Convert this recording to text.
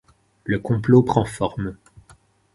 Le complot prend forme.